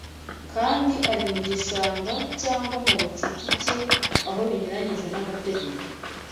kandi ari mu gishanga cyangwa mu bucucike aho binyuranyije n’amategeko